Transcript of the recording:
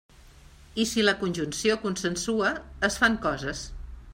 I si la conjunció consensua, es fan coses.